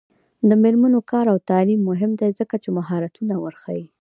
د میرمنو کار او تعلیم مهم دی ځکه چې مهارتونه ورښيي.